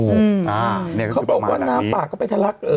เขาบอกว่าน้ำป่าก็ไปทะลัก